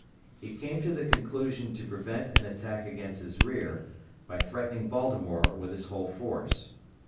He came to the conclusion to prevent an attack against his rear by threatening Baltimore with his whole force.